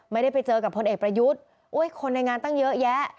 ไม่ได้ไปเจอกับพลเอกประยุทธ์คนในงานตั้งเยอะแยะ